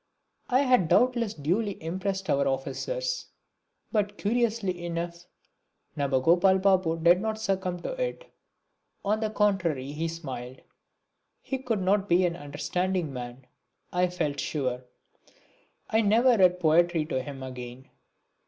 It had doubtless duly impressed our officers. But curiously enough Nabagopal Babu did not succumb to it on the contrary he smiled! He could not be an understanding man, I felt sure. I never read poetry to him again.